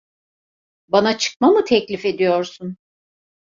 Bana çıkma mı teklif ediyorsun?